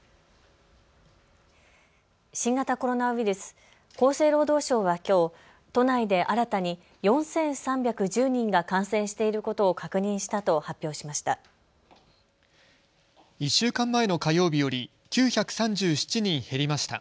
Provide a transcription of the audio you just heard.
新型コロナウイルス、厚生労働省はきょう都内で新たに４３１０人が感染していることを確認したと発表しました。